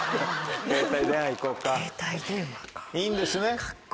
いいんですね？